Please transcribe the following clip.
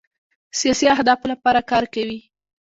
سیاسي اهدافو لپاره کار کوي.